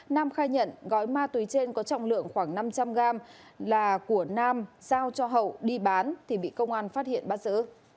nam khai nhận gói ma túy trên có trọng lượng khoảng năm trăm linh gram là của nam giao cho hậu đi bán thì bị công an phát hiện bắt giữ